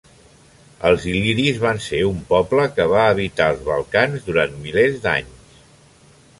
Els il·liris van ser un poble que va habitar els Balcans durant milers d'anys.